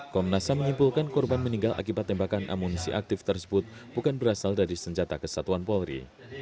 komnas ham menyimpulkan korban meninggal akibat tembakan amunisi aktif tersebut bukan berasal dari senjata kesatuan polri